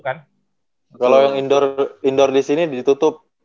kalau yang indoor di sini ditutup